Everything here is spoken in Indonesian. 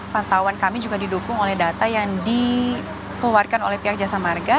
pantauan kami juga didukung oleh data yang dikeluarkan oleh pihak jasa marga